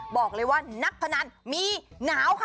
บอกเลยว่านักพนันมีหนาวค่ะ